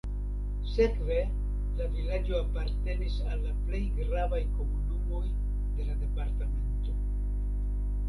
Sekve la vilaĝo apartenis al la plej gravaj komunumoj de la departemento.